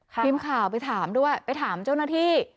ทีมข่าวไปถามด้วยไปถามเจ้าหน้าที่